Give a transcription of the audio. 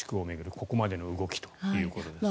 ここまでの動きということですが。